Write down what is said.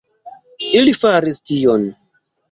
Ili faris tion!